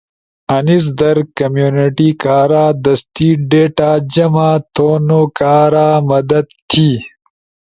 انیس در کمیونٹی کارا دستی ڈیٹا جمع تھونو کارا مدد تھی،